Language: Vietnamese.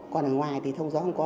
còn ở ngoài thì thông gió không có